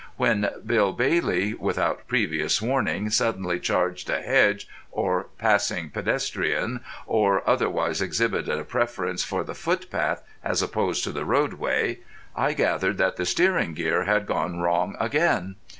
When Bill Bailey without previous warning suddenly charged a hedge or passing pedestrian, or otherwise exhibited a preference for the footpath as opposed to the roadway, I gathered that the steering gear had gone wrong again.